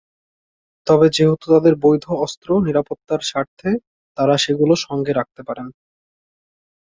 তবে যেহেতু তাঁদের বৈধ অস্ত্র, নিরাপত্তার স্বার্থে তাঁরা সেগুলো সঙ্গে রাখতে পারেন।